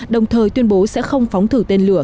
đồng thời tuyên bố sẽ không phóng thử tên lửa